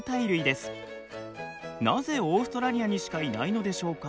なぜオーストラリアにしかいないのでしょうか？